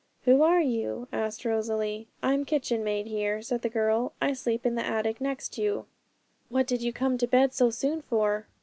'Who are you?' said Rosalie. 'I'm kitchen maid here,' said the girl; 'I sleep in the attic next you. What did you come to bed so soon for?'